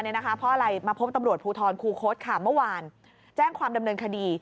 เพราะอะไรมาพบตำรวจภูทรคูคศค่ะเมื่อวานแจ้งความดำเนินคดี